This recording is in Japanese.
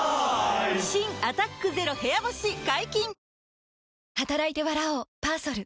新「アタックＺＥＲＯ部屋干し」解禁‼